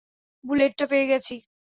বুলেটটা পেয়ে গেছি।